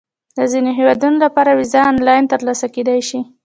د ځینو هیوادونو لپاره ویزه آنلاین ترلاسه کېدای شي.